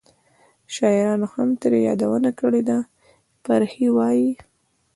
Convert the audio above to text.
شاعرانو هم ترې یادونه کړې ده. فرخي وایي: